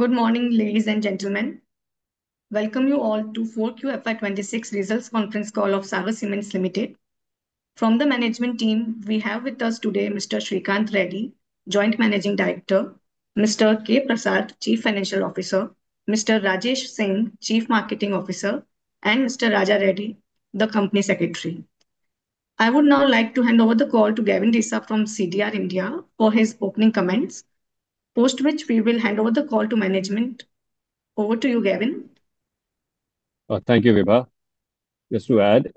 Good morning, ladies and gentlemen. Welcome you all to 4Q FY 2026 results conference call of Sagar Cements Limited. From the management team, we have with us today Mr. Sreekanth Reddy, Joint Managing Director; Mr. K. Prasad, Chief Financial Officer; Mr. Rajesh Singh, Chief Marketing Officer; and Mr. J. Raja Reddy, the Company Secretary. I would now like to hand over the call to Gavin Desa from CDR India for his opening comments, post which we will hand over the call to management. Over to you, Gavin. Thank you, Vibha. Just to add,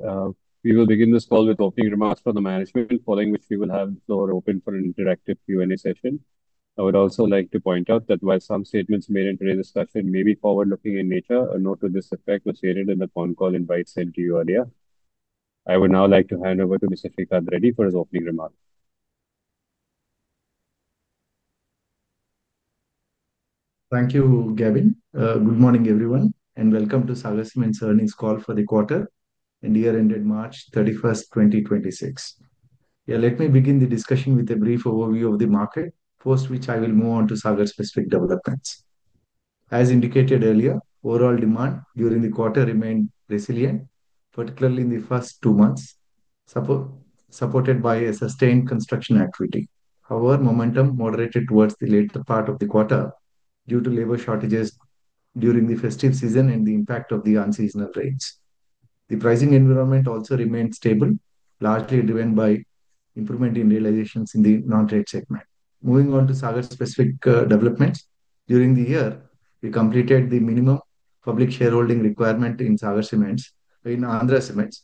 we will begin this call with opening remarks from the management, following which we will have the floor open for an interactive Q&A session. I would also like to point out that while some statements made in today's discussion may be forward-looking in nature, a note to this effect was stated in the phone call invite sent to you earlier. I would now like to hand over to Mr. Sreekanth Reddy for his opening remarks. Thank you, Gavin. Good morning, everyone, and welcome to Sagar Cements earnings call for the quarter and year ended March 31st, 2026. Let me begin the discussion with a brief overview of the market, post which I will move on to Sagar specific developments. As indicated earlier, overall demand during the quarter remained resilient, particularly in the first two months, supported by a sustained construction activity. Momentum moderated towards the later part of the quarter due to labor shortages during the festive season and the impact of the unseasonal rains. The pricing environment also remained stable, largely driven by improvement in realizations in the non-trade segment. Moving on to Sagar specific developments. During the year, we completed the minimum public shareholding requirement in Sagar Cements in Andhra Cements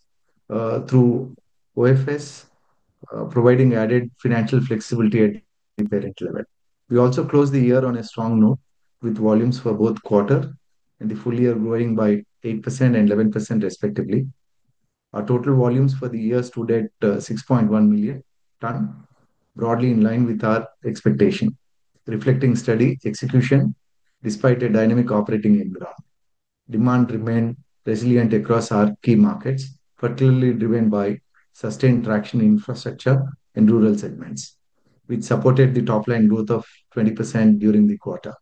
through OFS, providing added financial flexibility at the parent level. We also closed the year on a strong note with volumes for both quarter and the full year growing by 8% and 11% respectively. Our total volumes for the year stood at 6.1 million tons, broadly in line with our expectation, reflecting steady execution despite a dynamic operating environment. Demand remained resilient across our key markets, particularly driven by sustained traction in infrastructure and rural segments, which supported the top line growth of 20% during the quarter.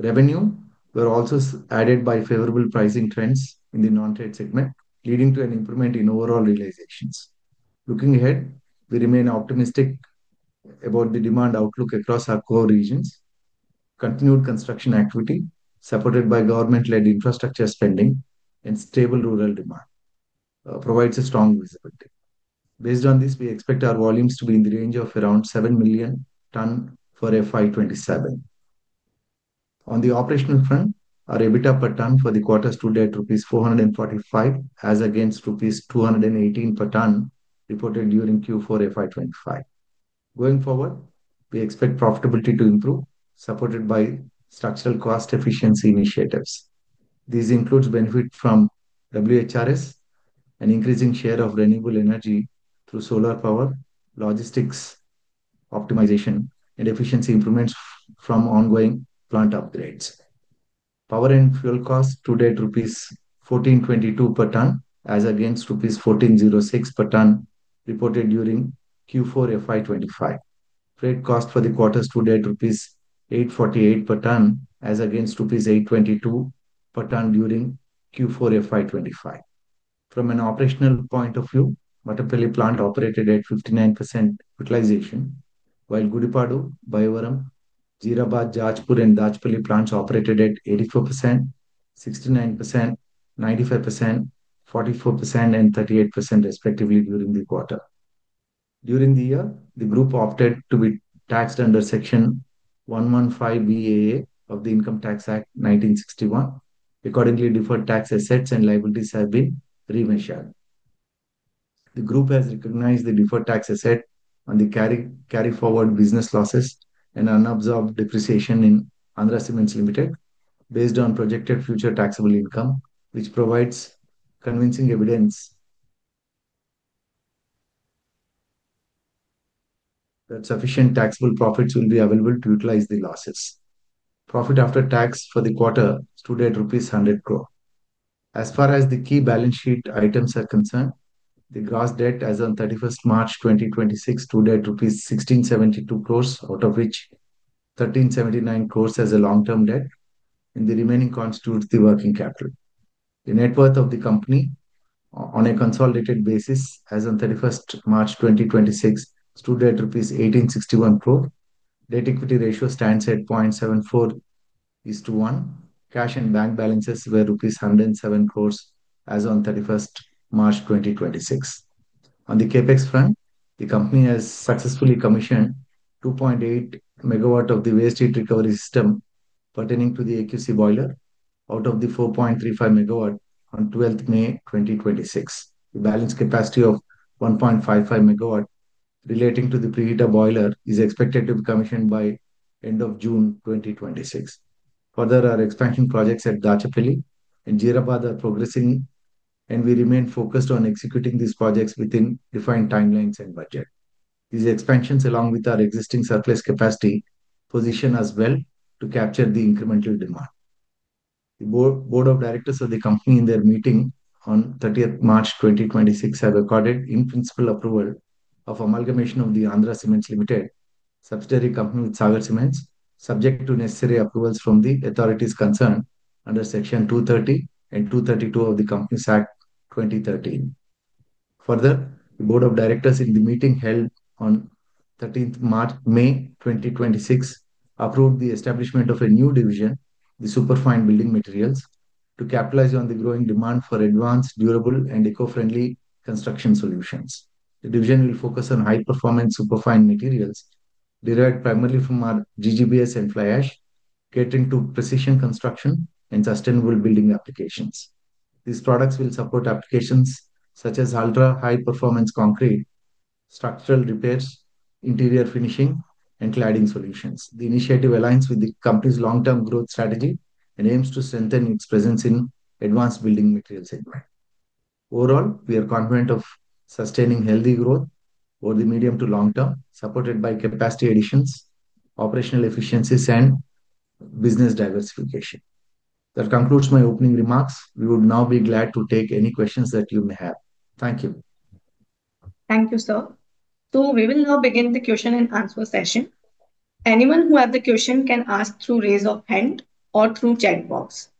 Revenue were also added by favorable pricing trends in the non-trade segment, leading to an improvement in overall realizations. Looking ahead, we remain optimistic about the demand outlook across our core regions. Continued construction activity, supported by government-led infrastructure spending and stable rural demand, provides a strong visibility. Based on this, we expect our volumes to be in the range of around 7 million tons for FY 2027. On the operational front, our EBITDA per ton for the quarter stood at rupees 445 as against rupees 218 per ton reported during Q4 FY 2025. Going forward, we expect profitability to improve, supported by structural cost efficiency initiatives. This includes benefit from WHRS, an increasing share of renewable energy through solar power, logistics optimization, and efficiency improvements from ongoing plant upgrades. Power and fuel costs stood at rupees 1,422 per ton as against rupees 1,406 per ton reported during Q4 FY 2025. Freight cost for the quarter stood at rupees 848 per ton as against rupees 822 per ton during Q4 FY 2025. From an operational point of view, Mattampally plant operated at 59% utilization, while Gudipadu, Bayyavaram, Jeerabad, Jajpur, and Dachepalli plants operated at 84%, 69%, 95%, 44%, and 38% respectively during the quarter. During the year, the group opted to be taxed under Section 115BAA of the Income Tax Act, 1961. Accordingly, deferred tax assets and liabilities have been remeasured. The group has recognized the deferred tax asset on the carry forward business losses and unabsorbed depreciation in Andhra Cements Limited based on projected future taxable income, which provides convincing evidence that sufficient taxable profits will be available to utilize the losses. Profit after tax for the quarter stood at rupees 100 crore. As far as the key balance sheet items are concerned, the gross debt as on March 31st, 2026, stood at rupees 1,672 crore, out of which 1,379 crore as a long-term debt, and the remaining constitutes the working capital. The net worth of the company on a consolidated basis as on March 31st, 2026, stood at rupees 1,861 crore. Debt equity ratio stands at 0.74 is to one. Cash and bank balances were rupees 107 crore as on March 31st, 2026. On the CapEx front, the company has successfully commissioned 2.8 MW of the waste heat recovery system pertaining to the AQC boiler out of the 4.35 MW on May 12th, 2026. The balance capacity of 1.55 MW relating to the preheater boiler is expected to be commissioned by end of June 2026. Our expansion projects at Dachepalli and Jeerabad are progressing, and we remain focused on executing these projects within defined timelines and budget. These expansions, along with our existing surplus capacity, position us well to capture the incremental demand. The Board of Directors of the company in their meeting on March 30th, 2026, have recorded in-principle approval of amalgamation of the Andhra Cements Limited, subsidiary company with Sagar Cements, subject to necessary approvals from the authorities concerned under Section 230 and 232 of the Companies Act 2013. Further, the Board of Directors in the meeting held on May 13th, 2026, approved the establishment of a new division, the Superfine Building Materials, to capitalize on the growing demand for advanced, durable, and eco-friendly construction solutions. The division will focus on high-performance superfine materials derived primarily from our GGBS and fly ash, catering to precision construction and sustainable building applications. These products will support applications such as ultra-high-performance concrete, structural repairs, interior finishing, and cladding solutions. The initiative aligns with the company's long-term growth strategy and aims to strengthen its presence in advanced building materials segment. Overall, we are confident of sustaining healthy growth over the medium to long term, supported by capacity additions, operational efficiencies, and business diversification. That concludes my opening remarks. We would now be glad to take any questions that you may have. Thank you. Thank you, sir. We will now begin the question-and-answer session. Anyone who have the question can ask through raise of hand or through chat box.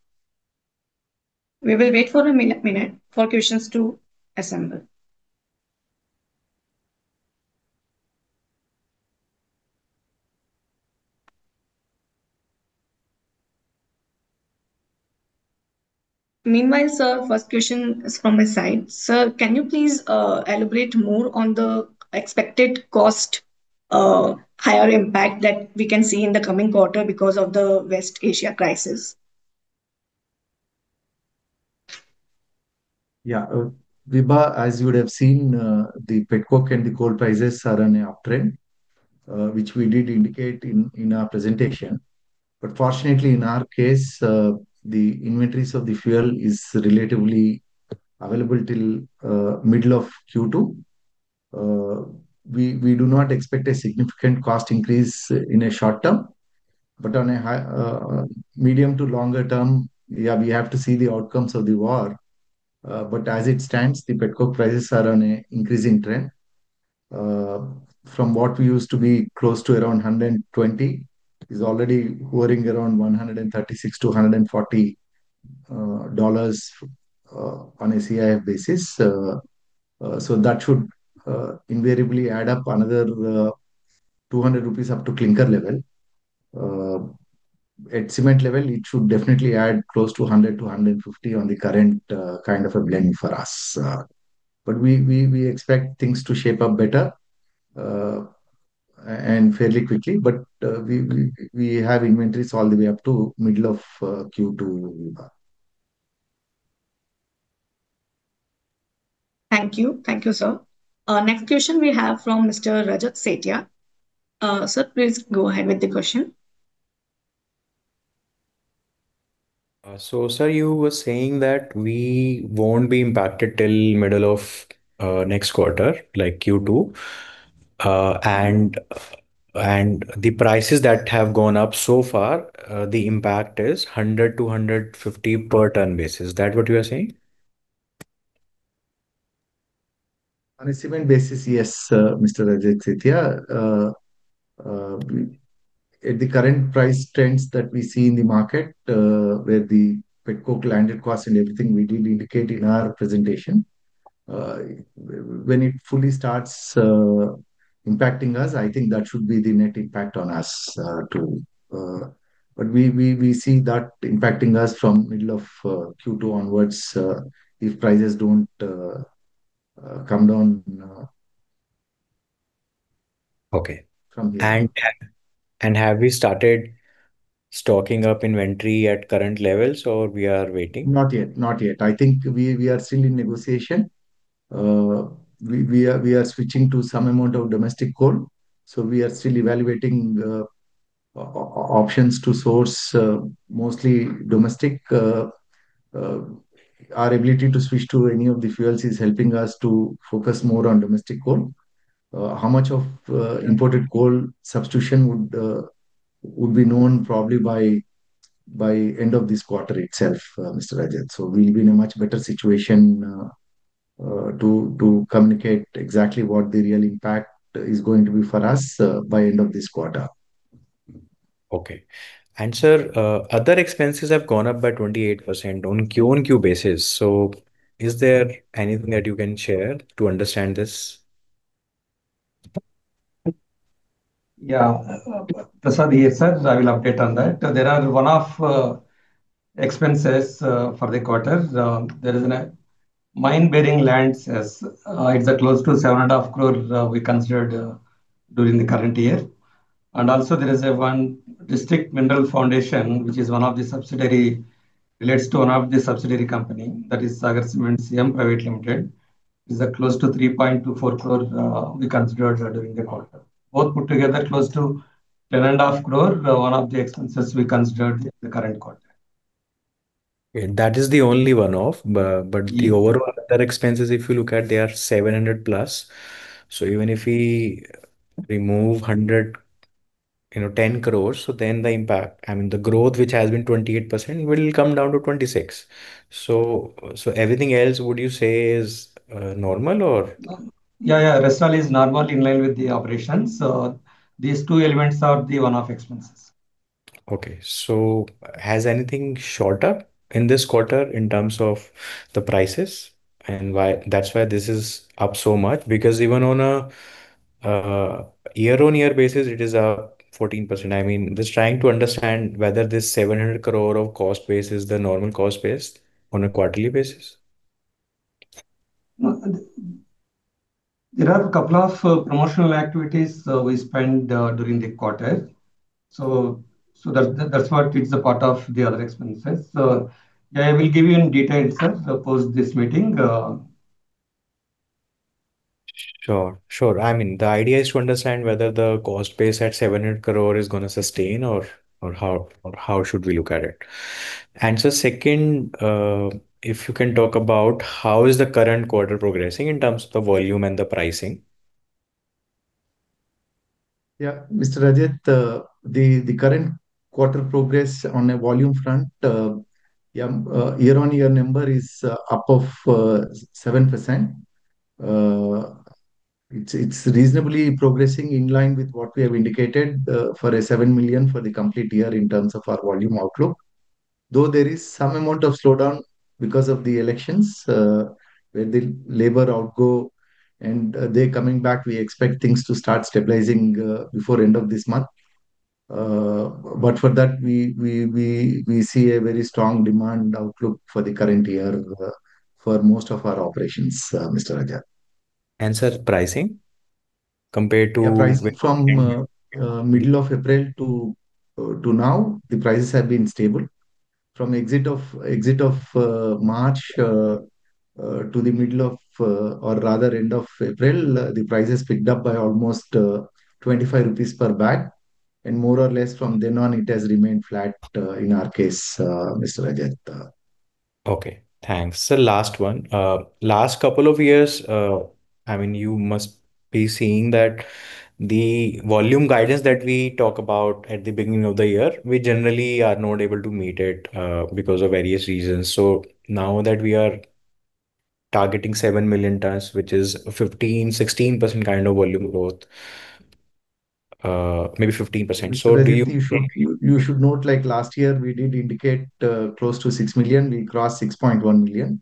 We will wait for a minute for questions to assemble. Meanwhile, sir, first question is from my side. Sir, can you please elaborate more on the expected cost higher impact that we can see in the coming quarter because of the West Asia crisis? Vibha, as you would have seen, the petcoke and the coal prices are on a uptrend, which we did indicate in our presentation. Fortunately, in our case, the inventories of the fuel is relatively available till middle of Q2. We do not expect a significant cost increase in a short term, but on a medium to longer term, we have to see the outcomes of the war. As it stands, the petcoke prices are on a increasing trend. From what we used to be close to around $120 is already hovering around $136-$140 on a CIF basis. That should invariably add up another 200 rupees up to clinker level. At cement level, it should definitely add close to 100 to 150 on the current kind of a blend for us. We expect things to shape up better and fairly quickly, but we have inventories all the way up to middle of Q2, Vibha. Thank you. Thank you, sir. Next question we have from Mr. Rajat Sethia. Sir, please go ahead with the question. Sir, you were saying that we won't be impacted till middle of next quarter, like Q2. The prices that have gone up so far, the impact is 100-150 per ton basis. Is that what you are saying? On a cement basis, yes, Mr. Rajat Sethia. At the current price trends that we see in the market, where the petcoke landed cost and everything, we did indicate in our presentation. When it fully starts impacting us, I think that should be the net impact on us, too. We see that impacting us from middle of Q2 onwards, if prices don't come down. Okay. From here. Have we started stocking up inventory at current levels or we are waiting? Not yet, not yet. I think we are still in negotiation. We are switching to some amount of domestic coal, so we are still evaluating options to source mostly domestic. Our ability to switch to any of the fuels is helping us to focus more on domestic coal. How much of imported coal substitution would be known probably by end of this quarter itself, Mr. Rajat. We'll be in a much better situation to communicate exactly what the real impact is going to be for us by end of this quarter. Okay. Sir, other expenses have gone up by 28% on QoQ basis. Is there anything that you can share to understand this? Yeah. Prasad here, sir. I will update on that. There are one-off expenses for the quarter. There is a mine bearing lands as it's a close to 7.5 crore we considered during the current year. Also, there is one District Mineral Foundation, which is one of the subsidiary relates to one of the subsidiary company that is Sagar Cements Private Limited, is close to 3.24 crore we considered during the quarter. Both put together close to 10.5 crore one-off expenses we considered the current quarter. That is the only one-off, but the overall other expenses, if you look at, they are 700+. Even if we remove 100, you know, 10 crore, then the impact, I mean, the growth which has been 28% will come down to 26%. Everything else would you say is normal or? Yeah, yeah. Rest all is normal in line with the operations. These two elements are the one-off expenses. Okay. Has anything shot up in this quarter in terms of the prices and why that's why this is up so much? Even on a year-on-year basis, it is up 14%. I mean, just trying to understand whether this 700 crore of cost base is the normal cost base on a quarterly basis. No, there are a couple of promotional activities we spent during the quarter. That's what it's a part of the other expenses. Yeah, I will give you in detail itself post this meeting. Sure, sure. I mean, the idea is to understand whether the cost base at 700 crore is gonna sustain or how should we look at it. Second, if you can talk about how is the current quarter progressing in terms of the volume and the pricing? Mr. Rajat, the current quarter progress on a volume front, year-on-year number is up of 7%. It's reasonably progressing in line with what we have indicated for 7 million for the complete year in terms of our volume outlook. There is some amount of slowdown because of the elections, where the labor out go and they coming back, we expect things to start stabilizing before end of this month. For that, we see a very strong demand outlook for the current year, for most of our operations, Mr. Rajat. Sir, pricing compared to. Yeah, price from middle of April to now, the prices have been stable. From exit of March to the middle of, or rather end of April, the prices picked up by almost 25 rupees per bag, and more or less from then on, it has remained flat, in our case, Mr. Rajat. Okay, thanks. Last one. Last couple of years, I mean, you must be seeing that the volume guidance that we talk about at the beginning of the year, we generally are not able to meet it, because of various reasons. Now that we are targeting 7 million tons, which is 15%, 16% kind of volume growth, maybe 15%. Mr. Rajat, you should note, like last year, we did indicate close to 6 million. We crossed 6.1 million.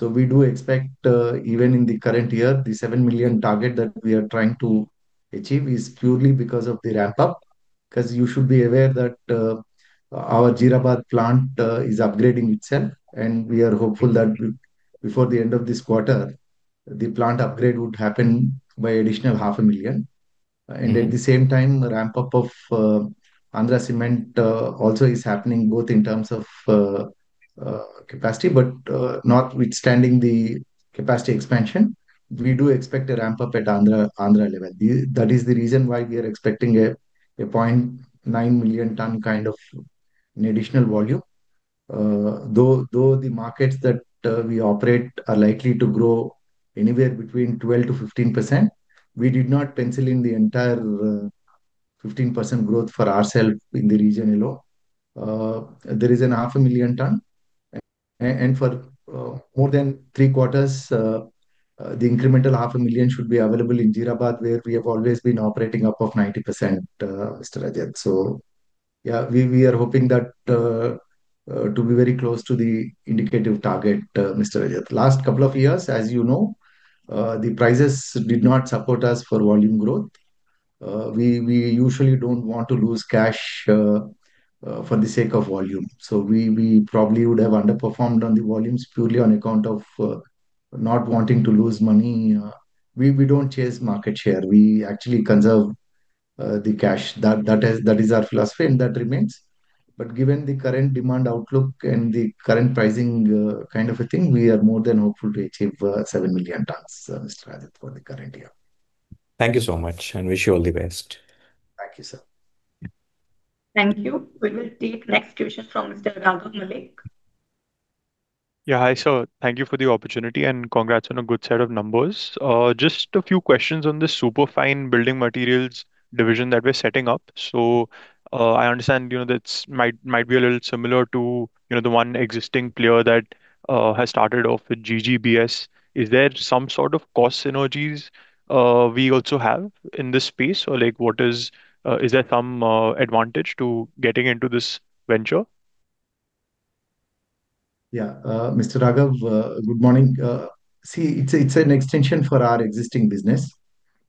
We do expect, even in the current year, the 7 million target that we are trying to achieve is purely because of the ramp up. You should be aware that our Jeerabad plant is upgrading itself, and we are hopeful that before the end of this quarter, the plant upgrade would happen by additional 500,000. At the same time, the ramp up of Andhra Cements also is happening both in terms of capacity, but notwithstanding the capacity expansion, we do expect a ramp up at Andhra level. That is the reason why we are expecting a 0.9 million ton kind of an additional volume. Though the markets that we operate are likely to grow anywhere between 12%-15%, we did not pencil in the entire 15% growth for ourself in the region alone. There is an 500,000 ton, and for more than three quarters, the incremental 500,000 should be available in Jeerabad, where we have always been operating up of 90%, Mr. Rajat. Yeah, we are hoping that to be very close to the indicative target, Mr. Rajat. Last couple of years, as you know, the prices did not support us for volume growth. We usually don't want to lose cash for the sake of volume. We probably would have underperformed on the volumes purely on account of not wanting to lose money. We don't chase market share. We actually conserve the cash. That is our philosophy, and that remains. Given the current demand outlook and the current pricing, kind of a thing, we are more than hopeful to achieve 7 million tons, Mr. Rajat, for the current year. Thank you so much and wish you all the best. Thank you, sir. Thank you. We will take next question from Mr. Raghav Malik. Yeah, hi, sir. Thank you for the opportunity, and congrats on a good set of numbers. Just a few questions on the Superfine Building Materials division that we're setting up. I understand, you know, that might be a little similar to, you know, the one existing player that has started off with GGBS. Is there some sort of cost synergies we also have in this space? Like what is there some advantage to getting into this venture? Mr. Raghav, good morning. It's an extension for our existing business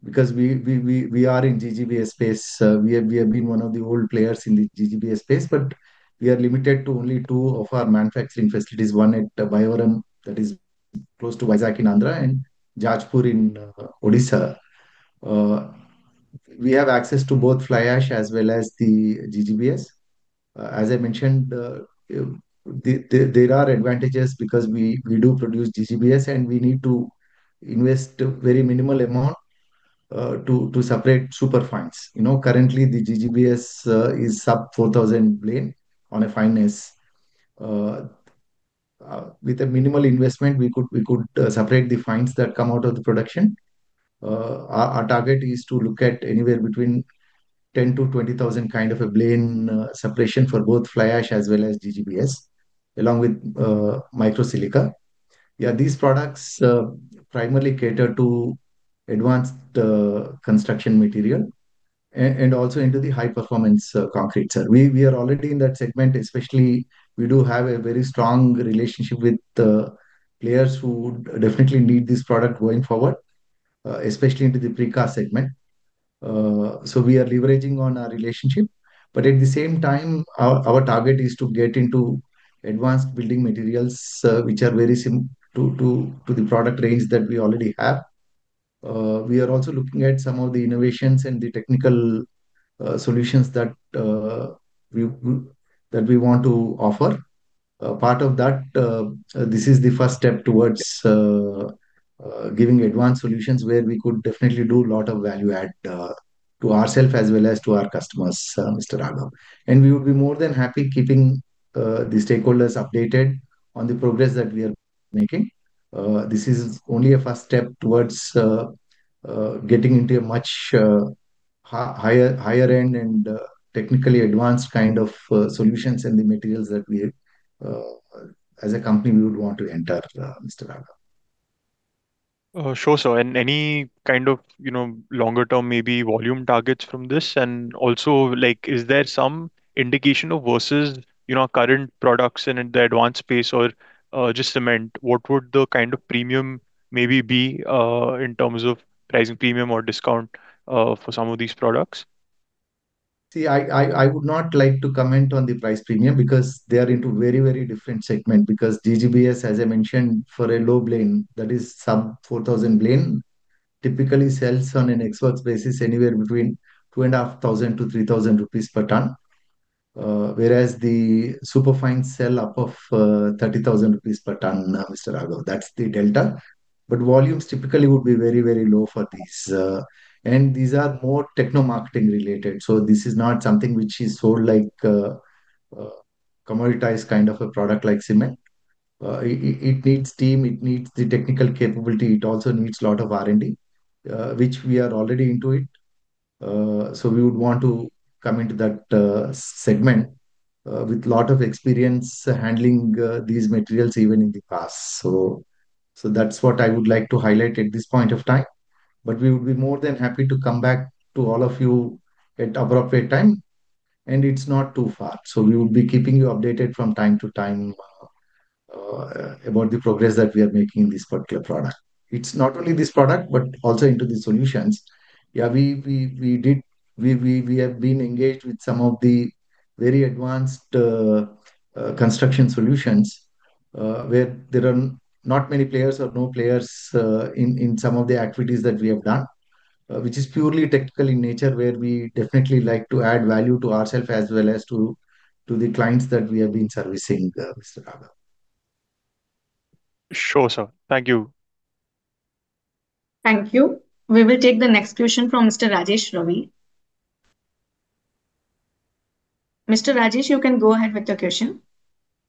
because we are in GGBS space. We have been one of the old players in the GGBS space, but we are limited to only two of our manufacturing facilities, one at Bayyavaram, that is close to Vizag in Andhra, and Jajpur in Odisha. We have access to both fly ash as well as the GGBS. As I mentioned, there are advantages because we do produce GGBS and we need to invest a very minimal amount to separate super fines. You know, currently the GGBS is sub 4,000 Blaine on a fineness. With a minimal investment, we could separate the fines that come out of the production. Our target is to look at anywhere between 10,000-20,000 kind of a Blaine separation for both fly ash as well as GGBS, along with micro silica. These products primarily cater to advanced construction material and also into the high-performance concrete. We are already in that segment, especially we do have a very strong relationship with the players who would definitely need this product going forward, especially into the precast segment. We are leveraging on our relationship, but at the same time, our target is to get into advanced building materials, which are very to the product range that we already have. We are also looking at some of the innovations and the technical solutions that we want to offer. A part of that, this is the first step towards giving advanced solutions where we could definitely do a lot of value add to ourself as well as to our customers, Mr. Raghav. We would be more than happy keeping the stakeholders updated on the progress that we are making. This is only a first step towards getting into a much, higher end and technically advanced kind of solutions and the materials that we as a company we would want to enter, Mr. Raghav. Sure, sir. Any kind of, you know, longer term maybe volume targets from this? Also, like, is there some indication of versus, you know, current products in the advanced space or, just cement, what would the kind of premium maybe be, in terms of pricing premium or discount, for some of these products? I would not like to comment on the price premium because they are into very different segment. GGBS, as I mentioned, for a low Blaine, that is sub 4,000 Blaine, typically sells on an ex-works basis anywhere between 2,500-3,000 rupees per ton. Whereas the Superfine sell above 30,000 rupees per ton, Mr. Raghav. That's the delta. Volumes typically would be very low for these. These are more techno-marketing related, so this is not something which is sold like a commoditized kind of a product like cement. It needs team, it needs the technical capability, it also needs lot of R&D, which we are already into it. We would want to come into that segment with lot of experience handling these materials even in the past. That's what I would like to highlight at this point of time. We would be more than happy to come back to all of you at appropriate time, and it's not too far. We would be keeping you updated from time to time about the progress that we are making in this particular product. It's not only this product, but also into the solutions. Yeah, We have been engaged with some of the very advanced construction solutions, where there are not many players or no players in some of the activities that we have done, which is purely technical in nature, where we definitely like to add value to ourself as well as to the clients that we have been servicing, Mr. Raghav. Sure, sir. Thank you. Thank you. We will take the next question from Mr. Rajesh Ravi. Mr. Rajesh, you can go ahead with your question.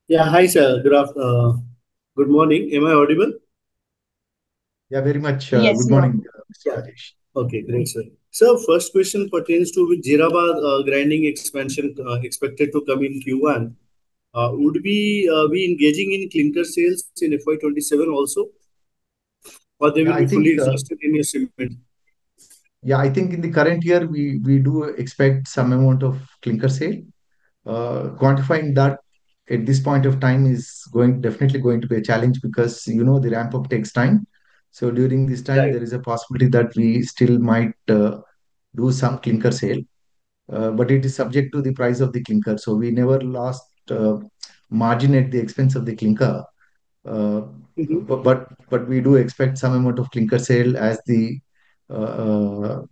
Yeah, hi, sir. Good morning. Am I audible? Yeah, very much. Yes, sir. Good morning, Mr. Rajesh. Okay, great, sir. Sir, first question pertains to with Jeerabad grinding expansion expected to come in Q1, would we be engaging in clinker sales in FY 2027 also? I think. Fully sustainable segment? Yeah, I think in the current year, we do expect some amount of clinker sale. Quantifying that at this point of time is definitely going to be a challenge because, you know, the ramp up takes time. There is a possibility that we still might do some clinker sale, but it is subject to the price of the clinker. We never lost margin at the expense of the clinker. We do expect some amount of clinker sale as the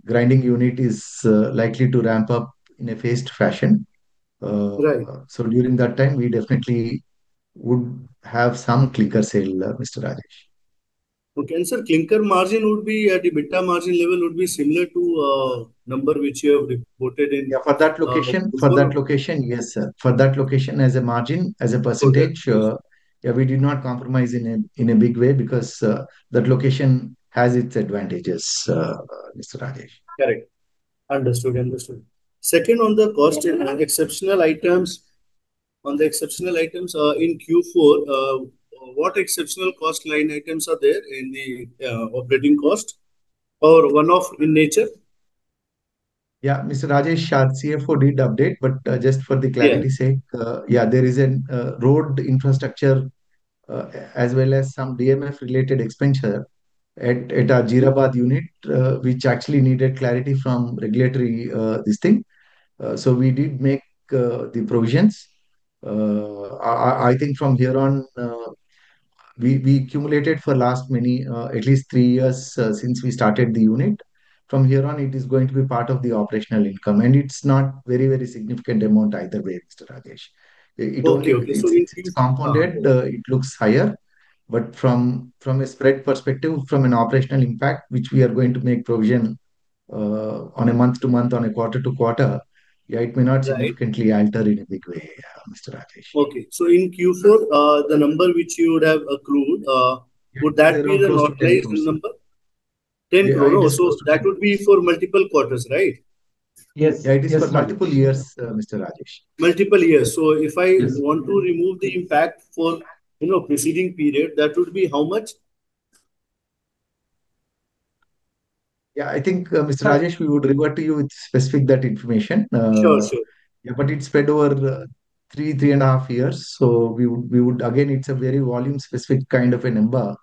grinding unit is likely to ramp up in a phased fashion. Right. During that time, we definitely would have some clinker sale, Mr. Rajesh. Okay. sir, clinker margin would be at the EBITDA margin level would be similar to number which you have reported in- Yeah, for that location. Q4? For that location, yes, sir. For that location as a margin, as a percentage. Okay. Yeah, we did not compromise in a big way because that location has its advantages, Mr. Rajesh. Correct. Understood. Understood. Second, on the cost and exceptional items. On the exceptional items, in Q4, what exceptional cost line items are there in the operating cost, or one-off in nature? Yeah. Mr. Rajesh, our CFO did update, but just for the clarity sake. Yeah. Yeah, there is an road infrastructure, as well as some DMF related expenditure at our Jeerabad unit, which actually needed clarity from regulatory, this thing. We did make the provisions. I think from here on, we accumulated for last many, at least three years, since we started the unit. From here on, it is going to be part of the operational income, and it's not very significant amount either way, Mr. Rajesh. Okay. It's compounded, it looks higher. From a spread perspective, from an operational impact, which we are going to make provision, on a month-to-month, on a quarter-to-quarter, it may not significantly alter in a big way, Mr. Rajesh. Okay. In Q4, the number which you would have accrued, would that be the normalized number? 10 crore. That would be for multiple quarters, right? Yes. Yeah, it is for multiple years, Mr. Rajesh. Multiple years. Yes. Want to remove the impact for, you know, preceding period, that would be how much? Yeah, I think, Mr. Rajesh, we would revert to you with specific that information. Sure, sure. It spread over three and a half years, so we would again, it's a very volume specific kind of a number.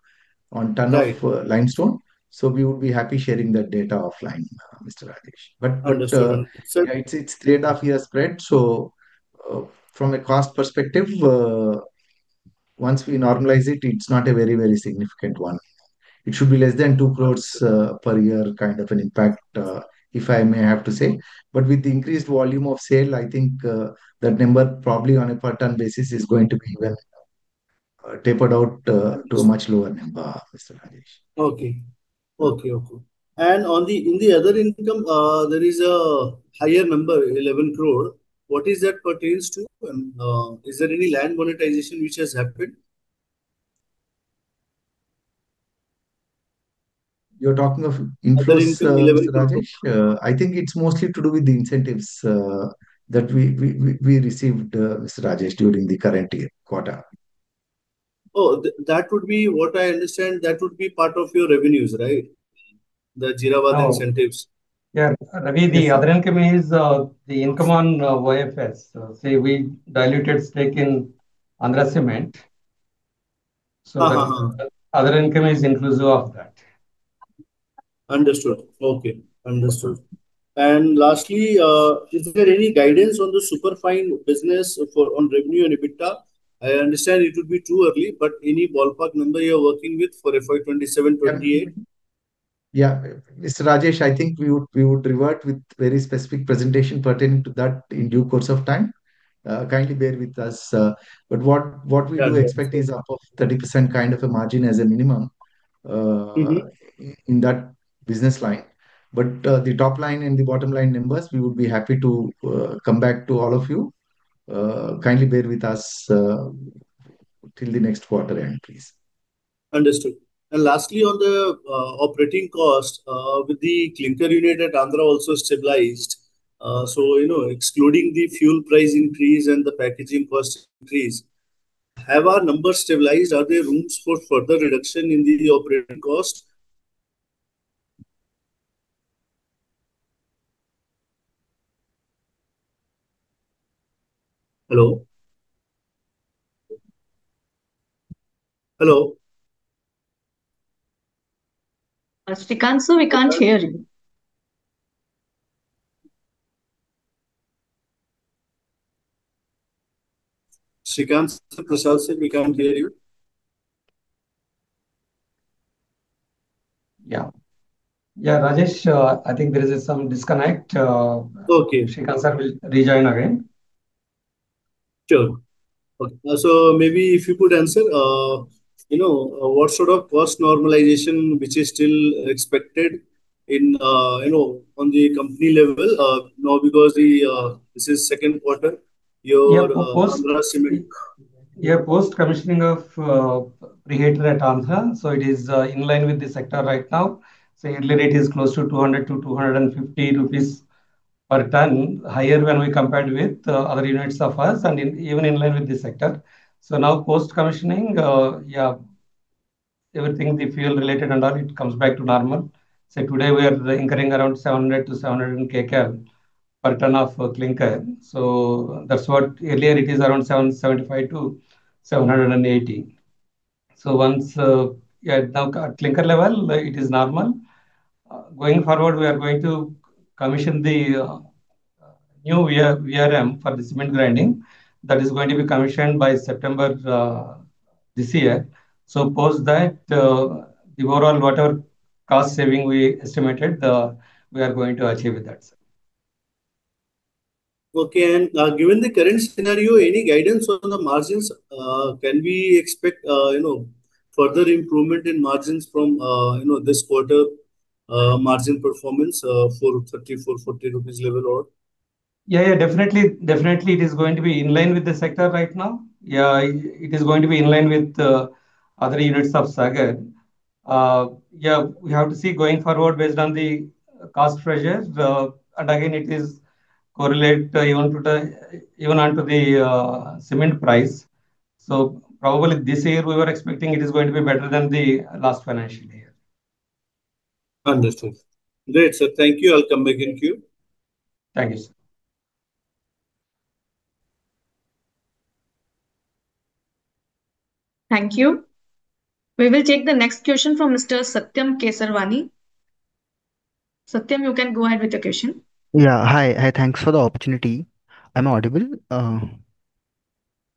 Right. Limestone, we would be happy sharing that data offline, Mr. Rajesh. Understood. It's three and a half years spread, from a cost perspective, once we normalize it's not a very, very significant one. It should be less than 2 crore per year kind of an impact, if I may have to say. With increased volume of sale, I think, that number probably on a per ton basis is going to be well tapered out to a much lower number, Mr. Rajesh. Okay. Okay. On the other income, there is a higher number, 11 crore. What is that pertains to? Is there any land monetization which has happened? You're talking of interest, Mr. Rajesh? Other income, INR 11 crore. I think it's mostly to do with the incentives that we received, Mr. Rajesh, during the current year quarter. Oh, that would be What I understand, that would be part of your revenues, right? The Jeerabad incentives. Yeah. Rajesh, the other income is the income on OFS. Say we diluted stake in Andhra Cements. Other income is inclusive of that. Understood. Okay. Understood. Lastly, is there any guidance on the Superfine business for, on revenue and EBITDA? I understand it will be too early, but any ballpark number you are working with for FY 2027, 2028? Yeah. Mr. Rajesh, I think we would revert with very specific presentation pertaining to that in due course of time. Kindly bear with us. What we do expect. Yes, sir. Is above 30% kind of a margin as a minimum. In that business line. The top line and the bottom-line numbers, we would be happy to come back to all of you. Kindly bear with us till the next quarter end, please. Understood. Lastly, on the operating cost, with the clinker unit at Andhra also stabilized, so, you know, excluding the fuel price increase and the packaging cost increase, have our numbers stabilized? Are there rooms for further reduction in the operating cost? Hello? Hello? Sreekanth, sir, we can't hear you. Sreekanth, sir, Prasad, sir, we can't hear you. Yeah. Yeah, Rajesh, I think there is some disconnect. Okay. Sreekanth, sir, will rejoin again. Sure. Okay, so maybe if you could answer, you know, what sort of cost normalization which is still expected in, you know, on the company level, now because the, this is second quarter, your Andhra Cements? Post commissioning of preheater at Andhra Cements, it is in line with the sector right now. Earlier it is close to 200-250 rupees per ton, higher when we compared with other units of ours and even in line with the sector. Now post commissioning, everything, the fuel related and all, it comes back to normal. Say today we are incurring around 700 kcal-700 kcal per ton of clinker. That's what, earlier it is around 775-780. Once, now at clinker level, it is normal. Going forward, we are going to commission the new VRM for the cement grinding. That is going to be commissioned by September this year. Post that, the overall whatever cost saving we estimated, we are going to achieve with that, sir. Okay. Given the current scenario, any guidance on the margins, can we expect, you know, further improvement in margins from, you know, this quarter, margin performance, 430-440 rupees level or? Definitely it is going to be in line with the sector right now. It is going to be in line with other units of Sagar. We have to see going forward based on the cost pressures, and again it is correlate even onto the cement price. Probably this year we were expecting it is going to be better than the last financial year. Understood. Great, sir. Thank you. I'll come back in queue. Thank you, sir. Thank you. We will take the next question from Mr. Satyam Kesarwani. Satyam, you can go ahead with your question. Yeah. Hi. Hi, thanks for the opportunity. I'm audible?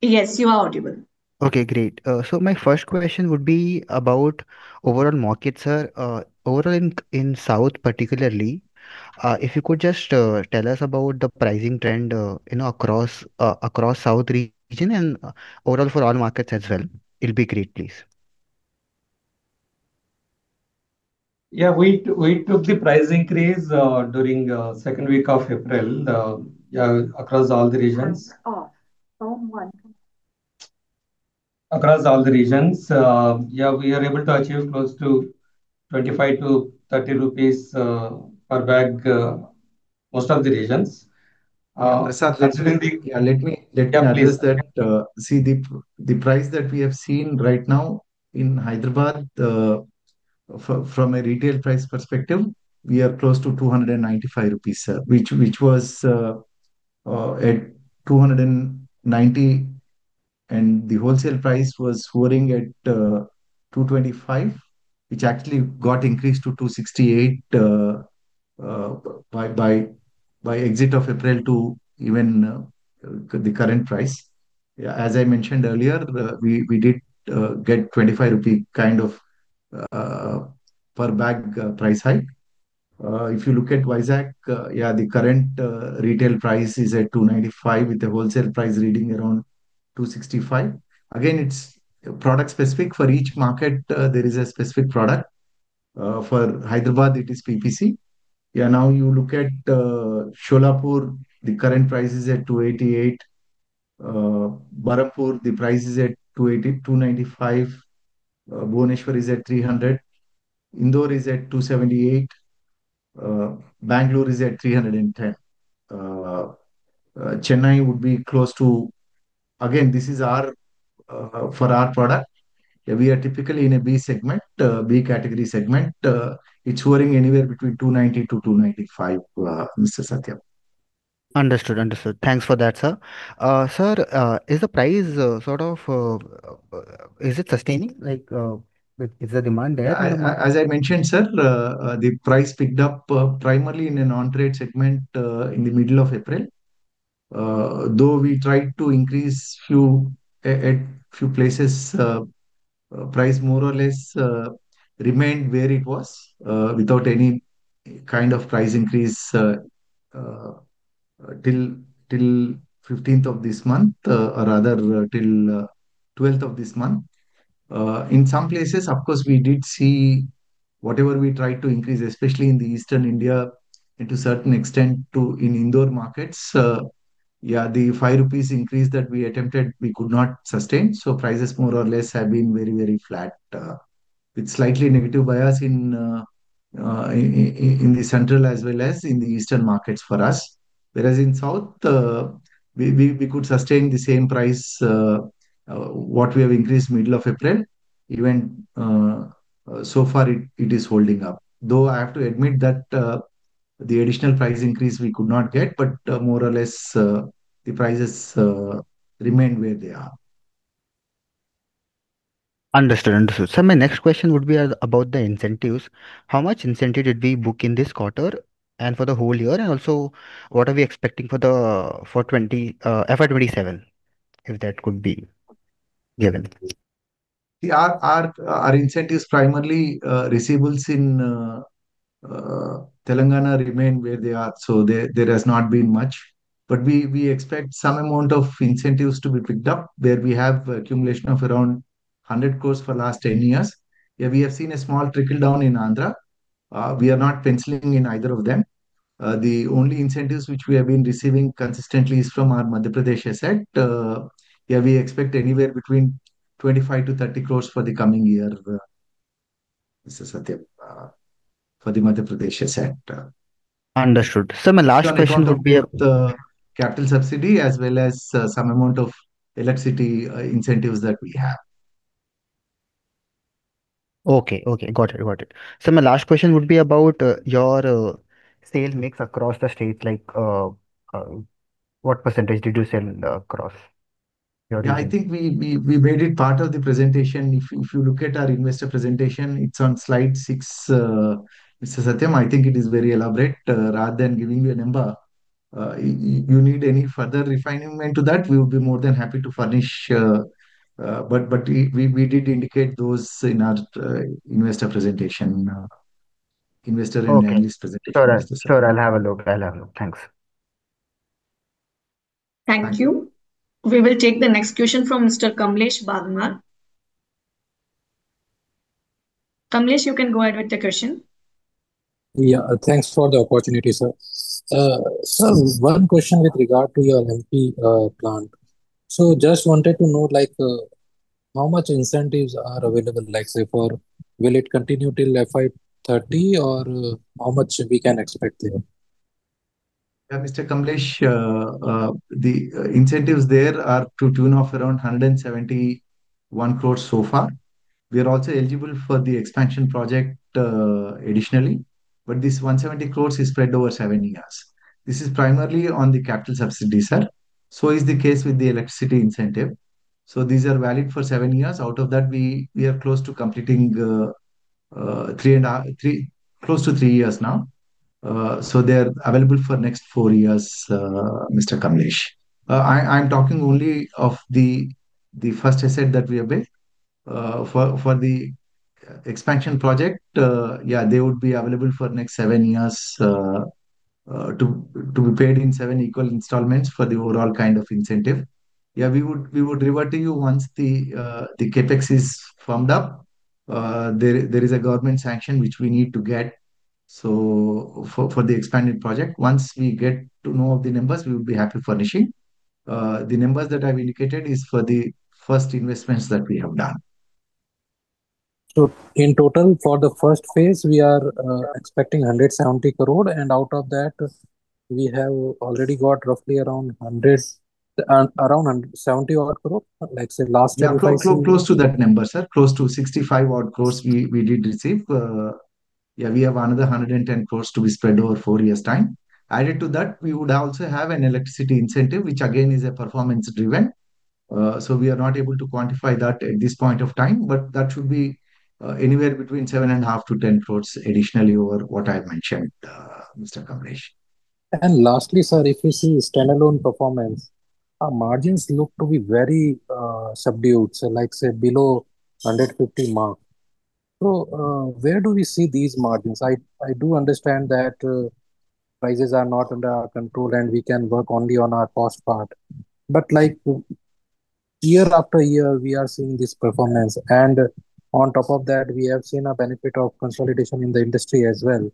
Yes, you are audible. Okay, great. My first question would be about overall market share. Overall in South particularly, if you could just tell us about the pricing trend, you know, across South region and overall for all markets as well. It'll be great, please. We took the price increase during second week of April across all the regions. Off from one- Across all the regions. Yeah, we are able to achieve close to 25-30 rupees per bag, most of the regions. Sir, let me- Yeah, please address that. See, the price that we have seen right now in Hyderabad, from a retail price perspective, we are close to 295 rupees, sir. Which was at 290, and the wholesale price was hovering at 225, which actually got increased to 268 by exit of April to even the current price. As I mentioned earlier, we did get 25 rupee kind of per bag price hike. If you look at Vizag, yeah, the current retail price is at 295, with the wholesale price reading around 265. Again, it's product specific. For each market, there is a specific product. For Hyderabad, it is PPC. Now you look at Solapur, the current price is at 288. Barabanki, the price is at 280-295. Bhubaneswar is at 300. Indore is at 278. Bangalore is at 310. Chennai would be close to. Again, this is our for our product. We are typically in a B segment, B category segment. It's hovering anywhere between 290-295, Mr. Satyam. Understood, understood. Thanks for that, sir. Sir, is the price sort of, is it sustaining? As I mentioned, sir, the price picked up primarily in an non-trade segment in the middle of April. Though we tried to increase at few places, price more or less remained where it was, without any kind of price increase, till 15th of this month, or rather, till 12th of this month. In some places, of course, we did see whatever we tried to increase, especially in the Eastern India and to certain extent in Indore markets, the 5 rupees increase that we attempted, we could not sustain. Prices more or less have been very flat, with slightly negative bias in the Central as well as in the Eastern markets for us. Whereas in South, we could sustain the same price what we have increased middle of April. So far it is holding up. Though I have to admit that the additional price increase we could not get, but more or less, the prices remain where they are. Understood, understood. Sir, my next question would be about the incentives. How much incentive did we book in this quarter and for the whole year? What are we expecting for FY 2027, if that could be given? Yeah. Our incentives primarily receivables in Telangana remain where they are, so there has not been much. We expect some amount of incentives to be picked up, where we have accumulation of around 100 crore for last 10 years. We have seen a small trickle down in Andhra. We are not penciling in either of them. The only incentives which we have been receiving consistently is from our Madhya Pradesh asset. We expect anywhere between 25 crore-30 crore for the coming year, Mr. Satya, for the Madhya Pradesh asset. Understood. On account of the capital subsidy as well as some amount of electricity incentives that we have. Okay, okay. Got it, got it. Sir, my last question would be about your sale mix across the state. What percentage did you sell across your- I think we made it part of the presentation. If you look at our investor presentation, it's on slide six, Mr. Satyam. I think it is very elaborate. Rather than giving you a number, you need any further refinement to that, we would be more than happy to furnish, but we did indicate those in our investor presentation, investor and analyst presentation. Okay. Sure, sure. I'll have a look. I'll have a look. Thanks. Thank you. We will take the next question from Mr. Kamlesh Bhagwat. Kamlesh, you can go ahead with the question. Yeah. Thanks for the opportunity, sir. One question with regard to your MP plant. Just wanted to know, like, how much incentives are available, like, say, for Will it continue till FY 2030, or how much we can expect there? Mr. Kamlesh, the incentives there are to tune of around 171 crore so far. We are also eligible for the expansion project additionally. This 170 crore is spread over seven years. This is primarily on the capital subsidy, sir. Is the case with the electricity incentive. These are valid for seven years. Out of that, we are close to completing three close to three years now. They are available for next four years, Mr. Kamlesh. I am talking only of the first asset that we have built. For the expansion project, they would be available for next seven years, to be paid in seven equal installments for the overall kind of incentive. We would revert to you once the CapEx is firmed up. There is a government sanction which we need to get for the expanded project. Once we get to know of the numbers, we would be happy to furnish it. The numbers that I've indicated is for the first investments that we have done. In total, for the first phase, we are expecting 170 crore, and out of that we have already got roughly around 170 odd crore, like, say last year we had seen. Close to that number, sir. Close to 65 odd crore we did receive. We have another 110 crore to be spread over four years' time. Added to that, we would also have an electricity incentive, which again is a performance driven, so we are not able to quantify that at this point of time, but that should be anywhere between 7.5 crore-10 crore additionally over what I've mentioned, Mr. Kamlesh. Lastly, sir, if we see standalone performance, our margins look to be very subdued, so like, say below 150 mark. Where do we see these margins? I do understand that prices are not under our control and we can work only on our cost part. Like, year after year, we are seeing this performance and on top of that we have seen a benefit of consolidation in the industry as well.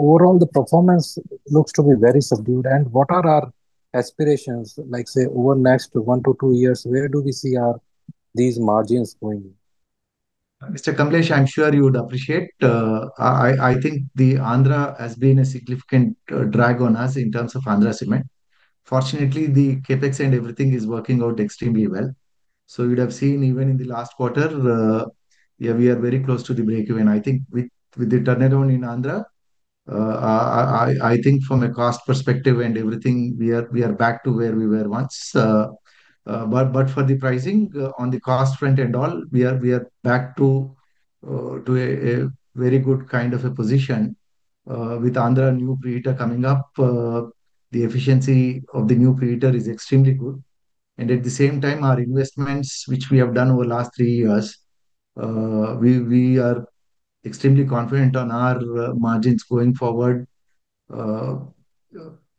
Overall, the performance looks to be very subdued. What are our aspirations, like, say, over next one to two years, where do we see these margins going? Mr. Kamlesh, I'm sure you would appreciate, I think the Andhra Cements has been a significant drag on us in terms of Andhra Cements. Fortunately, the CapEx and everything is working out extremely well. You'd have seen even in the last quarter, yeah, we are very close to the break-even. I think with the turnaround in Andhra Cements, I think from a cost perspective and everything, we are back to where we were once. For the pricing, on the cost front and all, we are back to a very good kind of a position. With Andhra Cements new preheater coming up, the efficiency of the new preheater is extremely good. At the same time, our investments, which we have done over last three years, we are extremely confident on our margins going forward.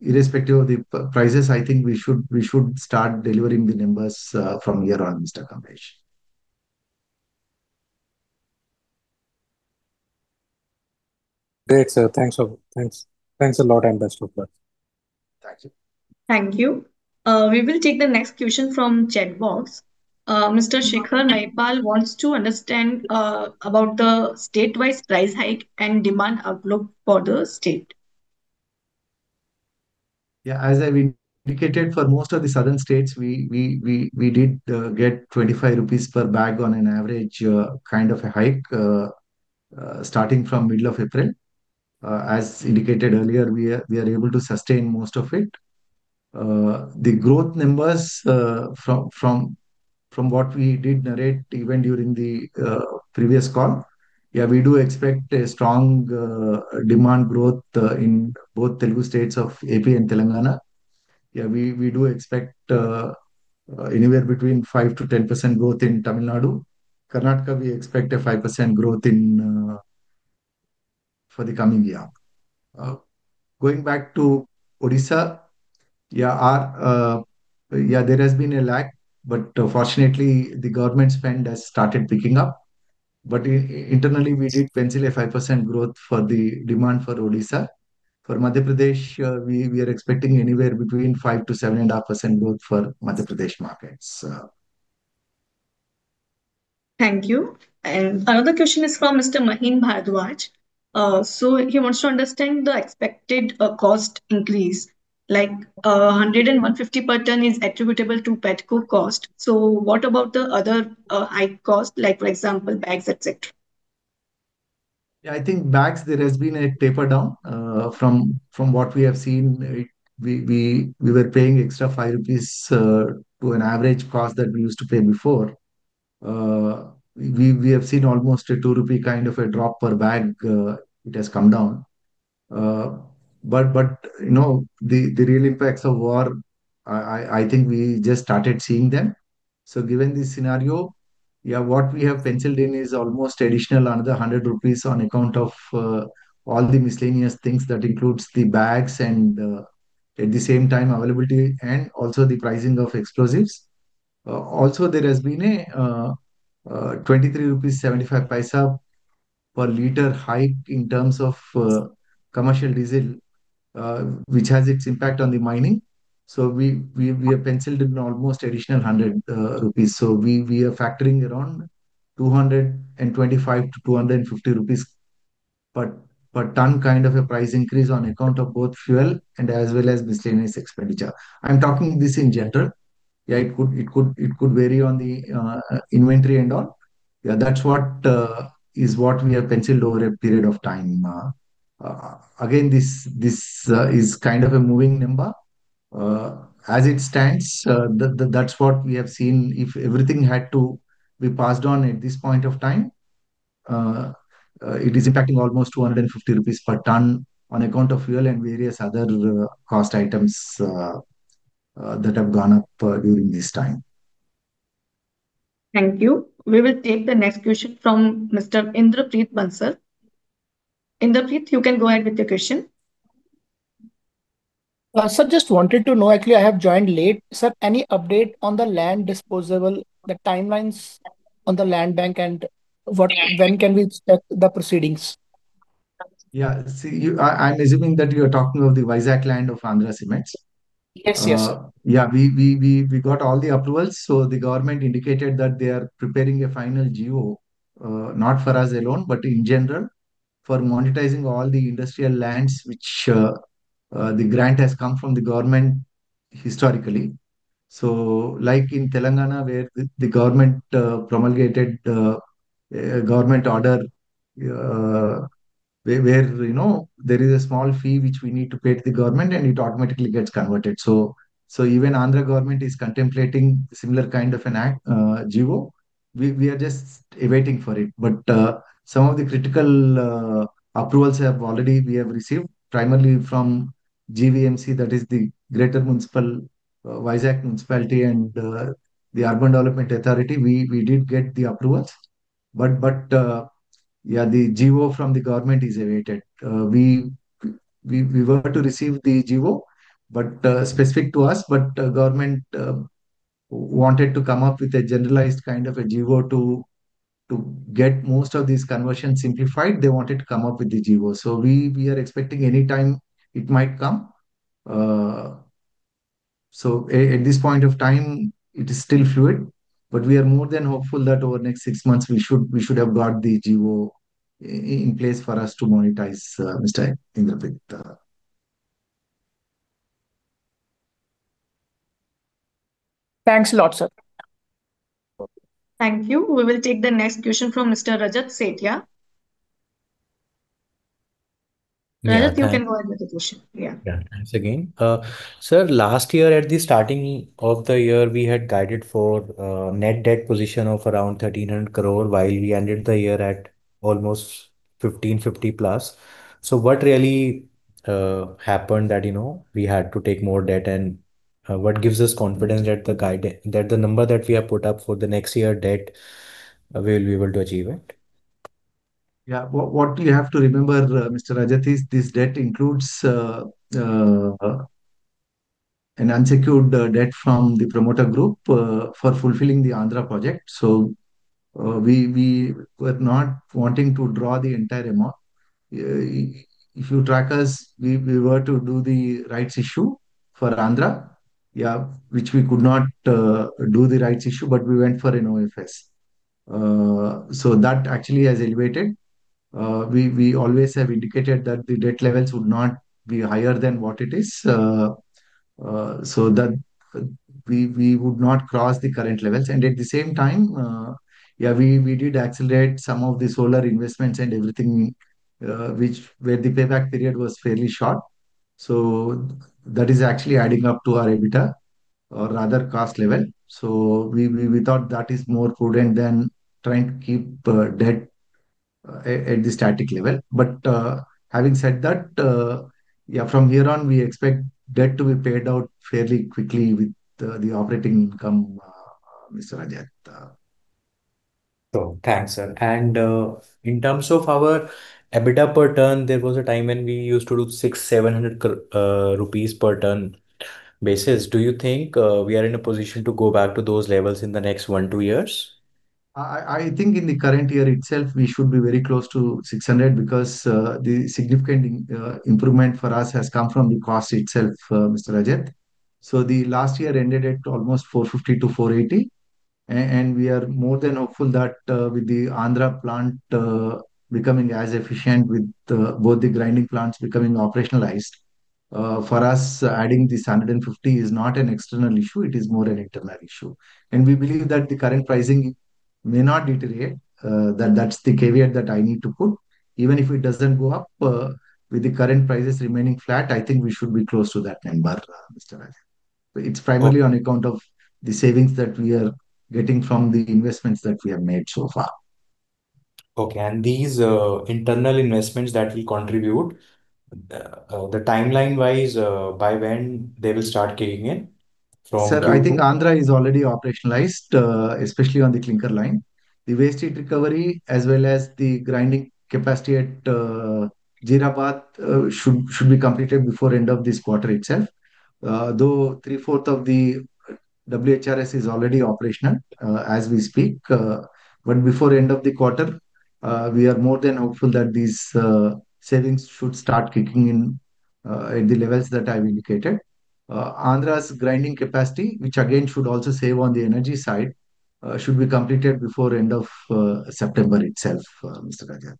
Irrespective of the prices, I think we should start delivering the numbers from here on, Mr. Kamlesh. Great, sir. Thanks a lot. Best of luck. Thank you. Thank you. We will take the next question from chat box. Mr. Shekhar Naipal wants to understand about the state-wise price hike and demand outlook for the state. Yeah, as I've indicated, for most of the southern states, we did get 25 rupees per bag on an average kind of a hike starting from middle of April. As indicated earlier, we are able to sustain most of it. The growth numbers from what we did narrate even during the previous call, yeah, we do expect a strong demand growth in both Telugu states of A.P. and Telangana. Yeah, we do expect anywhere between 5%-10% growth in Tamil Nadu. Karnataka, we expect a 5% growth for the coming year. Going back to Odisha, yeah, our, yeah, there has been a lag, but fortunately, the government spend has started picking up. Internally, we did pencil a 5% growth for the demand for Odisha. For Madhya Pradesh, we are expecting anywhere between 5%-7.5% growth for Madhya Pradesh markets. Thank you. Another question is from Mr. Maheen Bhardwaj. He wants to understand the expected cost increase. Like, 100-150 per ton is attributable to petcoke cost, what about the other high cost, like for example, bags, et cetera? I think bags there has been a taper down. From what we have seen, we were paying extra 5 rupees to an average cost that we used to pay before. We have seen almost a 2 rupee kind of a drop per bag, it has come down. But, you know, the real impacts of war, I think we just started seeing them. Given this scenario, what we have penciled in is almost additional another 100 rupees on account of all the miscellaneous things that includes the bags and at the same time availability and also the pricing of explosives. There has been a 23.75 rupees per liter hike in terms of commercial diesel, which has its impact on the mining. We have penciled in almost additional 100 rupees. We are factoring around 225-250 rupees per ton kind of a price increase on account of both fuel and as well as miscellaneous expenditure. I'm talking this in general. It could vary on the inventory and all. That's what is what we have penciled over a period of time. Again, this is kind of a moving number. As it stands, that's what we have seen. If everything had to be passed on at this point of time, it is impacting almost 250 rupees per ton on account of fuel and various other cost items that have gone up during this time. Thank you. We will take the next question from Mr. Inderpreet Bansal. Inderpreet, you can go ahead with your question. Sir, just wanted to know, actually, I have joined late. Sir, any update on the land disposable, the timelines on the land bank and when can we expect the proceedings? See, you, I'm assuming that you're talking of the Vizag land of Andhra Cements. Yes, yes, sir. Yeah, we got all the approvals, so the government indicated that they are preparing a final Go, not for us alone, but in general for monetizing all the industrial lands which the grant has come from the government historically. Like in Telangana, where the government promulgated a government order, where, you know, there is a small fee which we need to pay to the government, and it automatically gets converted. Even Andhra government is contemplating similar kind of an act, GO. We are just awaiting for it. Some of the critical approvals have already we have received, primarily from GVMC, that is the Greater Municipal Vizag Municipality, and the Urban Development Authority. We did get the approvals. The GO from the government is awaited. We were to receive the GO, specific to us, government wanted to come up with a generalized kind of a GO to get most of these conversions simplified. They wanted to come up with the GO. We are expecting any time it might come. At this point of time, it is still fluid, but we are more than hopeful that over the next six months we should have got the GO in place for us to monetize, Mr. Inderpreet. Thanks a lot, sir. Okay. Thank you. We will take the next question from Mr. Rajat Sethia. Rajat, you can go ahead with your question. Yeah. Yeah, thanks again. Sir, last year at the starting of the year, we had guided for a net debt position of around 1,300 crore, while we ended the year at almost 1,550+. What really happened that, you know, we had to take more debt, and what gives us confidence that the number that we have put up for the next year debt, we'll be able to achieve it? What you have to remember, Mr. Rajat, is this debt includes an unsecured debt from the promoter group for fulfilling the Andhra project. We were not wanting to draw the entire amount. If you track us, we were to do the rights issue for Andhra, which we could not do the rights issue, but we went for an OFS. That actually has elevated. We always have indicated that the debt levels would not be higher than what it is, so that we would not cross the current levels. At the same time, we did accelerate some of the solar investments and everything, which, where the payback period was fairly short. That is actually adding up to our EBITDA or rather cost level. We thought that is more prudent than trying to keep debt at the static level. Having said that, yeah, from here on, we expect debt to be paid out fairly quickly with the operating income, Mr. Rajat. Oh, thanks, sir. In terms of our EBITDA per ton, there was a time when we used to do 600-700 rupees per ton basis. Do you think we are in a position to go back to those levels in the next one, two years? I think in the current year itself, we should be very close to 600 because the significant improvement for us has come from the cost itself, Mr. Rajat. The last year ended at almost 450 to 480, and we are more than hopeful that with the Andhra plant becoming as efficient with both the grinding plants becoming operationalized for us adding this 150 is not an external issue, it is more an internal issue. We believe that the current pricing may not deteriorate. That's the caveat that I need to put. Even if it doesn't go up with the current prices remaining flat, I think we should be close to that number, Mr. Rajat. It's primarily on account of the savings that we are getting from the investments that we have made so far. Okay. These internal investments that will contribute, the timeline-wise, by when they will start kicking in from Q2? Sir, I think Andhra is already operationalized, especially on the clinker line. The waste heat recovery as well as the grinding capacity at Jeerabad should be completed before end of this quarter itself. Though three-fourth of the WHRS is already operational as we speak. Before end of the quarter, we are more than hopeful that these savings should start kicking in at the levels that I've indicated. Andhra's grinding capacity, which again should also save on the energy side, should be completed before end of September itself, Mr. Rajat.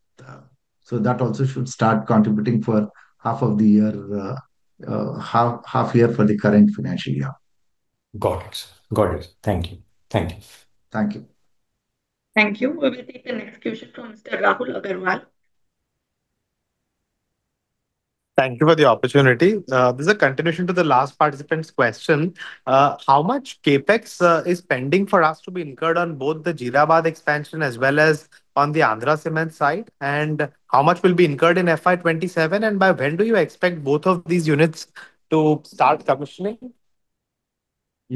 That also should start contributing for half of the year, half year for the current financial year. Got it. Thank you. Thank you. Thank you. We will take the next question from Mr. Rahul Agarwal. Thank you for the opportunity. This is a continuation to the last participant's question. How much CapEx is pending for us to be incurred on both the Jeerabad expansion as well as on the Andhra Cements side, and how much will be incurred in FY 2027? By when do you expect both of these units to start commissioning?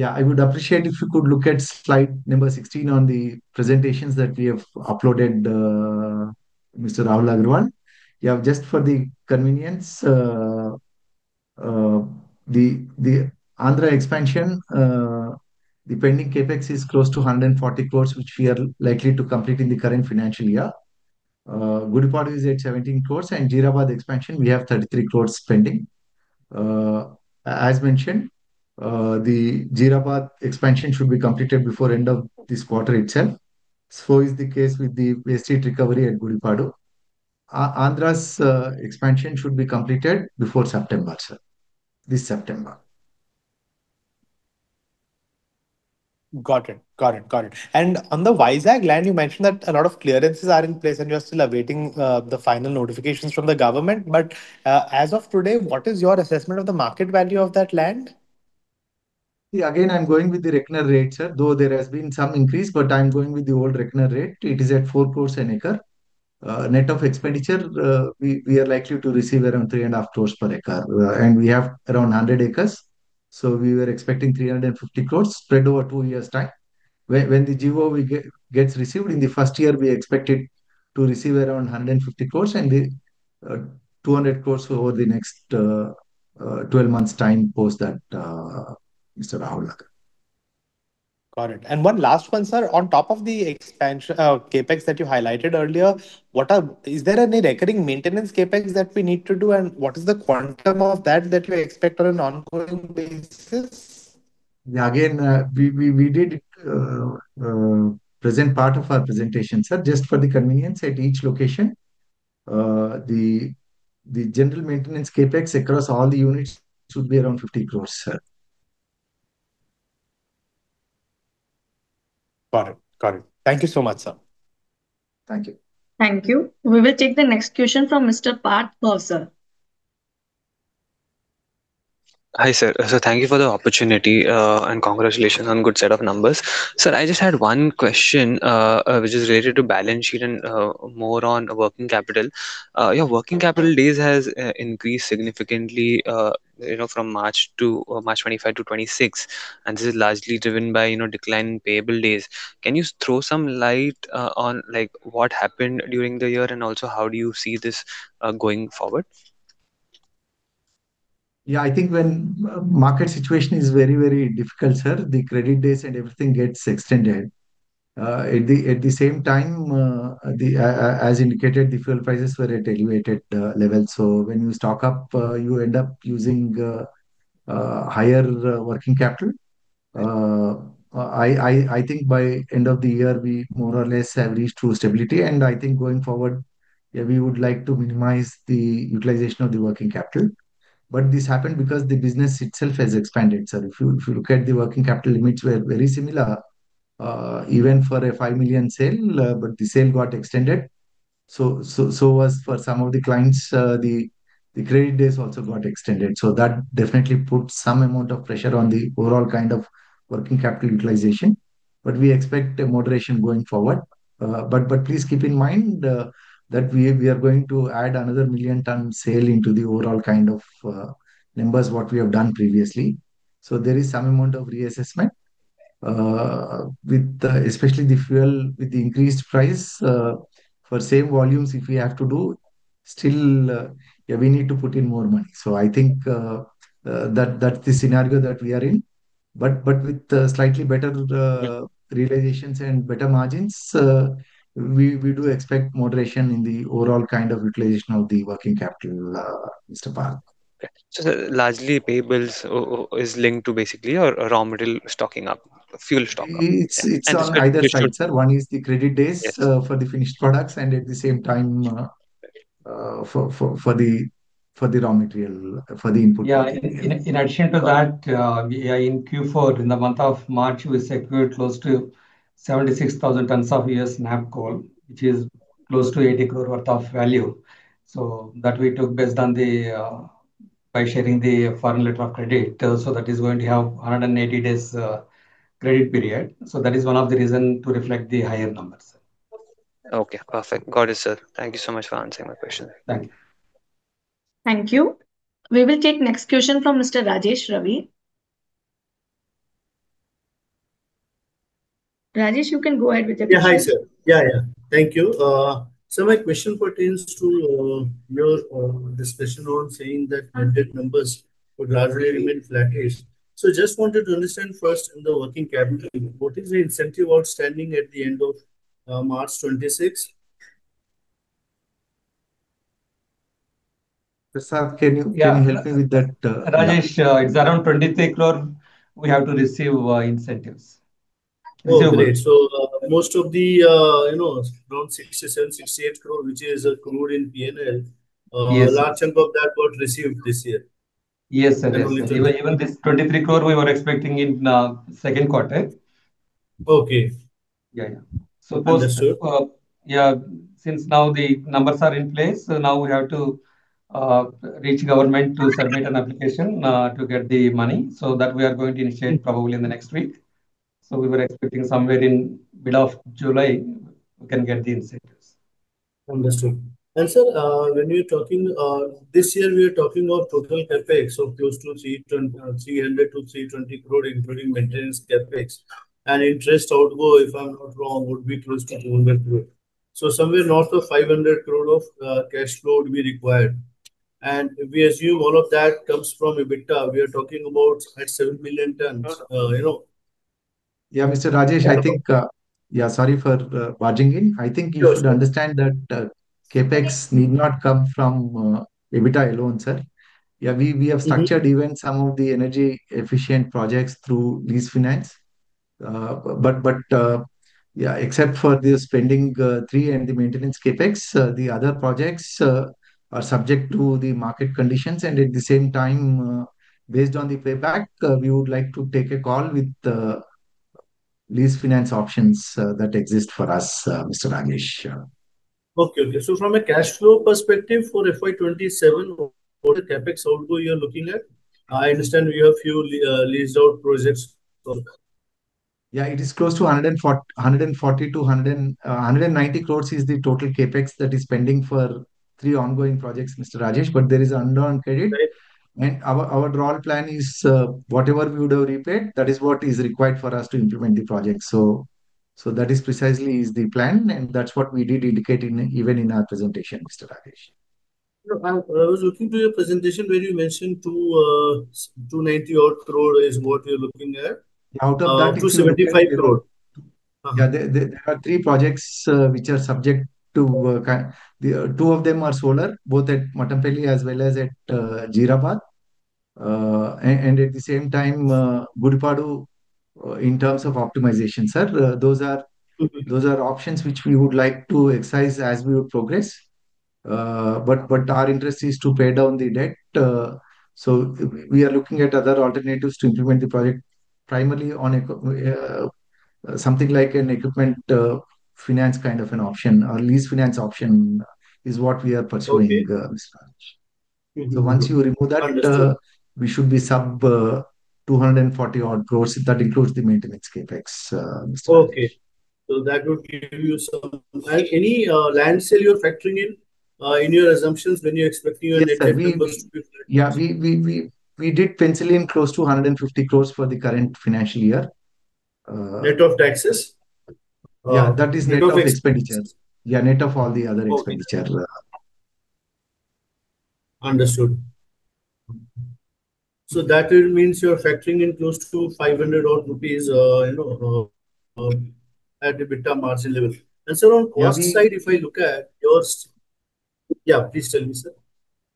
I would appreciate if you could look at slide number 16 on the presentations that we have uploaded, Mr. Rahul Agarwal. Just for the convenience, the Andhra expansion, the pending CapEx is close to 140 crore, which we are likely to complete in the current financial year. Gudipadu is at 17 crore, and Jeerabad expansion, we have 33 crore pending. As mentioned, the Jeerabad expansion should be completed before end of this quarter itself. Is the case with the waste heat recovery at Gudipadu. Andhra's expansion should be completed before September, sir. This September. Got it. Got it. Got it. On the Vizag land, you mentioned that a lot of clearances are in place and you’re still awaiting the final notifications from the government. As of today, what is your assessment of the market value of that land? Again, I'm going with the reckoner rate, sir. Though there has been some increase, but I'm going with the old reckoner rate. It is at 4 crore an acre. Net of expenditure, we are likely to receive around 3.5 crore per acre. We have around 100 acres, so we were expecting 350 crore spread over two years' time. When the GO we get, gets received, in the first year we are expected to receive around 150 crore and the 200 crore over the next 12 months' time post that, Mr. Rahul. Got it. One last one, sir. On top of the expansion CapEx that you highlighted earlier, is there any recurring maintenance CapEx that we need to do, and what is the quantum of that that you expect on an ongoing basis? We did present part of our presentation, sir. Just for the convenience, at each location, the general maintenance CapEx across all the units should be around 50 crore, sir. Got it. Got it. Thank you so much, sir. Thank you. Thank you. We will take the next question from Mr. Parth Bhavsar. Hi, sir. Thank you for the opportunity, and congratulations on good set of numbers. Sir, I just had one question, which is related to balance sheet and more on working capital. Your working capital days has increased significantly, you know, from March to, or March 25-26, and this is largely driven by, you know, decline in payable days. Can you throw some light on, like, what happened during the year, and also how do you see this going forward? I think when market situation is very, very difficult, sir, the credit days and everything gets extended. At the same time, as indicated, the fuel prices were at elevated levels, so when you stock up, you end up using higher working capital. I think by end of the year we more or less have reached true stability. I think going forward, yeah, we would like to minimize the utilization of the working capital. This happened because the business itself has expanded, sir. If you look at the working capital limits were very similar, even for a 5 million sale, but the sale got extended. Was for some of the clients, the credit days also got extended. That definitely puts some amount of pressure on the overall kind of working capital utilization. We expect a moderation going forward. Please keep in mind that we are going to add another million ton sale into the overall kind of numbers what we have done previously. There is some amount of reassessment with the especially the fuel, with the increased price, for same volumes if we have to do, still, we need to put in more money. I think that's the scenario that we are in. With slightly better realizations and better margins, we do expect moderation in the overall kind of utilization of the working capital, Mr. Parth. Largely payables is linked to basically your raw material stocking up, fuel stock up. It's on either side, sir. One is the credit days- Yes. For the finished products, and at the same time, for the raw material, for the input- In addition to that, in Q4, in the month of March, we secured close to 76,000 tons of U.S. NAPP coal, which is close to 80 crore worth of value. That we took based on the by sharing the foreign letter of credit, that is going to have 180 days credit period. That is one of the reason to reflect the higher numbers. Okay, perfect. Got it, sir. Thank you so much for answering my question. Thank you. Thank you. We will take next question from Mr. Rajesh Ravi. Rajesh, you can go ahead with your question. Hi, sir. Thank you. My question pertains to your discussion on saying that audit numbers would largely remain flattish. Just wanted to understand first in the working capital report, is the incentive outstanding at the end of March 26? Prasad. Yeah. Can you help me with that, yeah? Rajesh, it's around 23 crore we have to receive incentives. Oh, great. Most of the, you know, around 67 crore-68 crore, which is accrued in P&L. Yes. A large chunk of that got received this year? Yes, sir. Even this 23 crore we were expecting in second quarter. Okay. Yeah, yeah. Understood. Yeah, since now the numbers are in place, so now we have to reach government to submit an application to get the money. That we are going to initiate probably in the next week. We were expecting somewhere in middle of July we can get the incentives. Understood. Sir, when you're talking, this year we are talking of total CapEx of close to 300 crore-320 crore, including maintenance CapEx. Interest outflow, if I'm not wrong, would be close to 200 crore. Somewhere north of 500 crore of cash flow to be required. If we assume all of that comes from EBITDA, we are talking about at 7 million tons, you know. Yeah, Mr. Rajesh, I think, sorry for barging in. Sure, sir. I think you should understand that CapEx need not come from EBITDA alone, sir. Yeah. Structured even some of the energy-efficient projects through lease finance. Yeah, except for the spending, the three and the maintenance CapEx, the other projects are subject to the market conditions. At the same time, based on the payback, we would like to take a call with lease finance options that exist for us, Mr. Rajesh. Okay. From a cash flow perspective for FY 2027, what CapEx outflow you are looking at? I understand you have few leased out projects, so. Yeah, it is close to 140 crore-190 crore is the total CapEx that is pending for three ongoing projects, Mr. Rajesh. There is undrawn credit. Right. Our draw plan is, whatever we would have repaid, that is what is required for us to implement the project. That is precisely the plan, and that's what we did indicate in, even in our presentation, Mr. Rajesh. No, I was looking through your presentation where you mentioned 290 odd crore is what you're looking at? Out of that- 275 crore. Yeah. There are three projects, which are subject to. The two of them are solar, both at Mattampally as well as at Jeerabad. At the same time, Gudipadu, in terms of optimization, sir. Those are options which we would like to exercise as we would progress. Our interest is to pay down the debt, so we are looking at other alternatives to implement the project primarily on something like an equipment finance kind of an option or lease finance option is what we are pursuing. Okay. Mr. Rajesh. So once you remove that- Understood. We should be sub, 240 odd crore. That includes the maintenance CapEx, Mr. Rajesh. Okay. That would give you any land sale you're factoring in in your assumptions when you're expecting your net debt to be close to? Yes, Yeah. We did penciling close to 150 crore for the current financial year. Net of taxes? Yeah, that is net of expenditures. Yeah, net of all the other expenditure. Understood. That means you're factoring in close to 500 rupees odd, you know, at EBITDA margin level. Yeah. Cost side, if I look at your Yeah, please tell me, sir?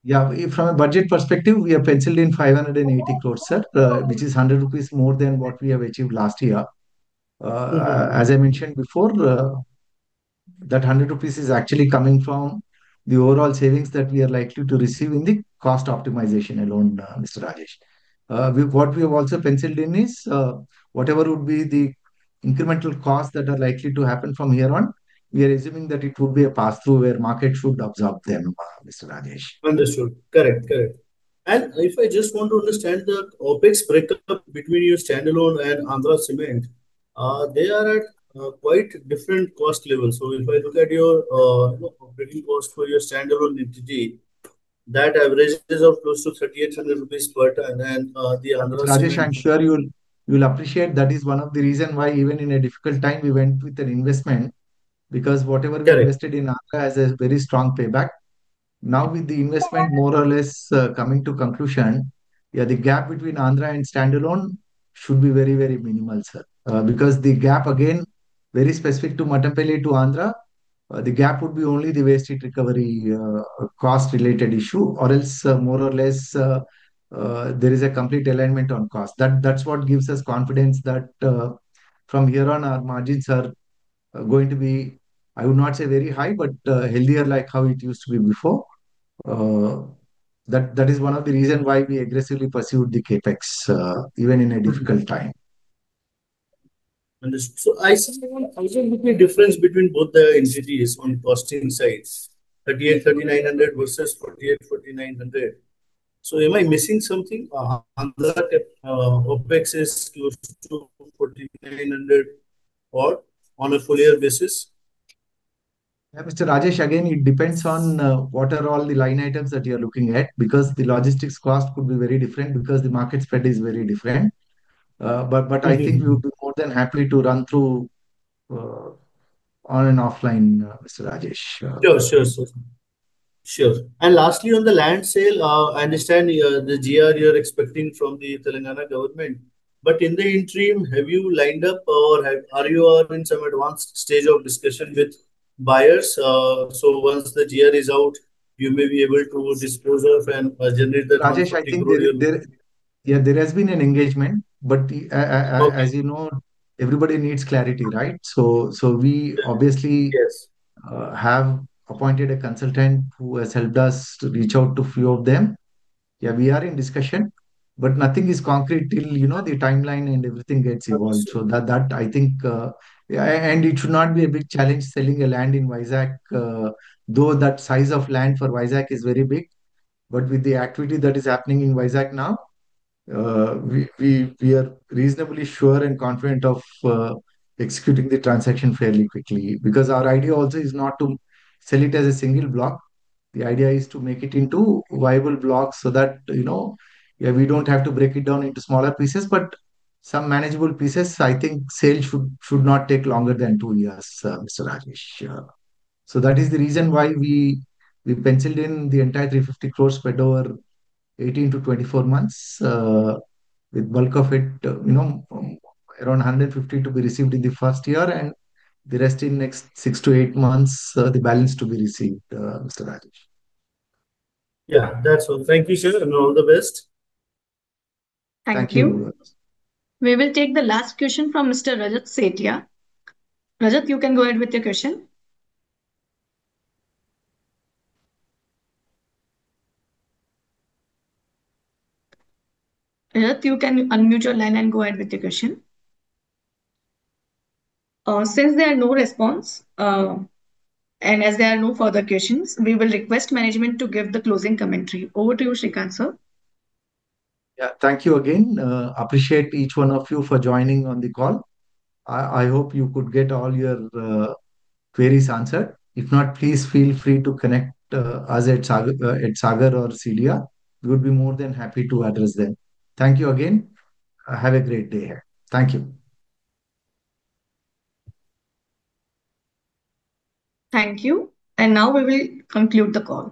Yeah. From a budget perspective, we have penciled in 580 crore, sir, which is 100 rupees more than what we have achieved last year. As I mentioned before, that 100 rupees is actually coming from the overall savings that we are likely to receive in the cost optimization alone, Mr. Rajesh. What we have also penciled in is, whatever would be the incremental costs that are likely to happen from here on, we are assuming that it would be a pass-through where market should absorb them, Mr. Rajesh. Understood. Correct. Correct. If I just want to understand the OpEx breakup between your standalone and Andhra Cements, they are at quite different cost levels. If I look at your, you know, operating cost for your standalone entity, that averages of close to 3,800 rupees per ton and the Andhra Cements. Rajesh, I'm sure you'll appreciate that is one of the reason why even in a difficult time we went with an investment, because whatever. Correct. We invested in Andhra has a very strong payback. Now, with the investment more or less, coming to conclusion, yeah, the gap between Andhra and standalone should be very minimal, sir. Because the gap again, very specific to Mattampally to Andhra, the gap would be only the waste heat recovery cost related issue. More or less, there is a complete alignment on cost. That's what gives us confidence that, from here on, our margins are going to be, I would not say very high, but healthier like how it used to be before. That is one of the reason why we aggressively pursued the CapEx even in a difficult time. I see INR 1,000 million difference between both the entities on costing sides, 3,800-3,900 versus 4,800-4,900. Am I missing something? Andhra OpEx is close to 4,900 or on a full year basis? Mr. Rajesh, again, it depends on what are all the line items that you're looking at, because the logistics cost could be very different because the market spread is very different. I think we would be more than happy to run through on an offline, Mr. Rajesh. Sure. Sure, sir. Sure. Lastly, on the land sale, I understand the GR you're expecting from the Telangana government. In the interim, have you lined up or are you in some advanced stage of discussion with buyers, once the GR is out, you may be able to dispose off and generate the? Rajesh, I think there has been an engagement. Okay. As you know, everybody needs clarity, right? we obviously- Yes. We have appointed a consultant who has helped us to reach out to few of them. Yeah, we are in discussion, but nothing is concrete till, you know, the timeline and everything gets evolved. Absolutely. That I think, yeah, and it should not be a big challenge selling a land in Vizag, though that size of land for Vizag is very big. With the activity that is happening in Vizag now, we are reasonably sure and confident of executing the transaction fairly quickly. Our idea also is not to sell it as a single block. The idea is to make it into viable blocks so that, you know, yeah, we don't have to break it down into smaller pieces, but some manageable pieces. I think sale should not take longer than two years, Mr. Rajesh. That is the reason why we penciled in the entire 350 crore spread over 18-24 months, with bulk of it, around 150 to be received in the first year and the rest in next six to eight months, the balance to be received, Mr. Rajesh. Yeah, that is all. Thank you, sir, and all the best. Thank you. Thank you. We will take the last question from Mr. Rajat Sethia. Rajat, you can go ahead with your question. Rajat, you can unmute your line and go ahead with your question. Since there are no response, and as there are no further questions, we will request management to give the closing commentary. Over to you, Sreekanth, sir. Yeah. Thank you again. Appreciate each one of you for joining on the call. I hope you could get all your queries answered. If not, please feel free to connect us at Sagar or CDR India. We would be more than happy to address them. Thank you again. Have a great day. Thank you. Thank you. Now we will conclude the call.